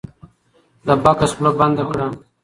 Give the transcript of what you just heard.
د بکس خوله بنده کړه.